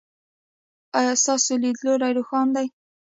ایا ستاسو لید لوری روښانه دی؟